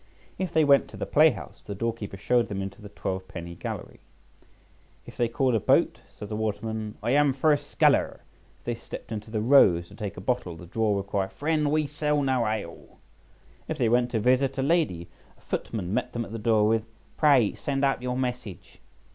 If they went to the playhouse, the doorkeeper showed them into the twelve penny gallery. If they called a boat, says a waterman, "I am first sculler." If they stepped into the "Rose" to take a bottle, the drawer would cry, "Friend, we sell no ale." If they went to visit a lady, a footman met them at the door with "Pray, send up your message."